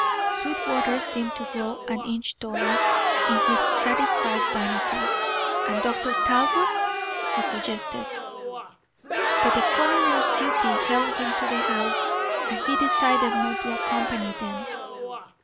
Sweetwater seemed to grow an inch taller in his satisfied vanity. "And Dr. Talbot?" he suggested. But the coroner's duty held him to the house and he decided not to accompany them.